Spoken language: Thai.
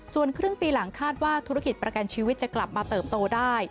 ส่วนครึ่งปีหลังคาดว่าธุรกิจประกันชีวิตจะกลับมาเติบโตได้